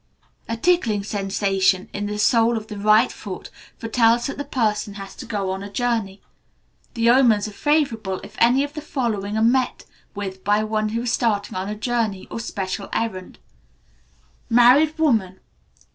A tickling sensation in the sole of the right foot foretells that the person has to go on a journey. The omens are favourable if any of the following are met with by one who is starting on a journey, or special errand: Married woman.